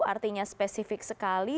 artinya spesifik sekali